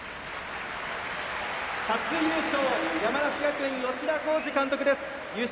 初優勝、山梨学院吉田洸二監督です。